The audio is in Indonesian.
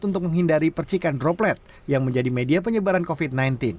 untuk menghindari percikan droplet yang menjadi media penyebaran covid sembilan belas